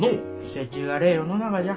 せちがれえ世の中じゃ。